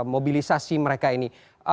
mobilisasi mereka ini